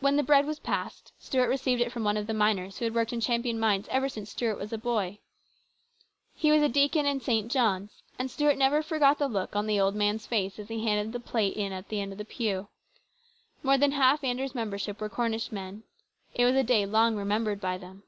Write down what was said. When the bread was passed, Stuart received it from one of the miners who had worked in Champion mines ever since Stuart was a boy. He was a deacon in St. John's, and Stuart never forgot the look on the old man's face as he handed the plate in at the end of the pew. More than half Andrew's membership were Cornish men. It was a day long remembered by them.